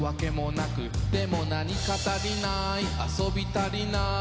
「でも何か足りない遊び足りない」